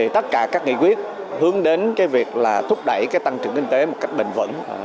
tất cả các nghị quyết hướng đến việc thúc đẩy tăng trưởng kinh tế một cách bình vẩn